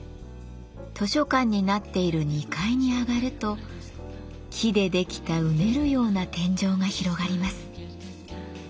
図書館になっている２階に上がると木でできたうねるような天井が広がります。